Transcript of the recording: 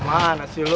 kemana sih lu